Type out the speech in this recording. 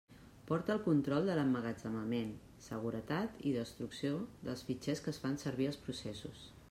Porta el control de l'emmagatzemament, seguretat i destrucció dels fitxers que es fan servir als processos.